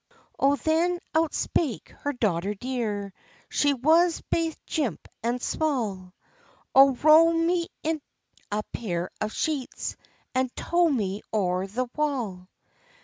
Oh, then out spake her daughter dear, She was baith jimp and small: "Oh, row me in a pair of sheets, And tow me o'er the wall."